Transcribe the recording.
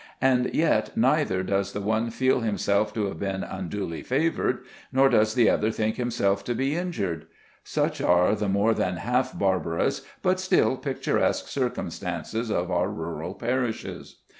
And yet neither does the one feel himself to have been unduly favoured, nor does the other think himself to be injured! Such are the more than half barbarous, but still picturesque circumstances of our rural parishes.